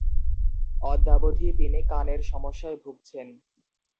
অদ্যাবধি তিনি কানের সমস্যায় ভুগছেন।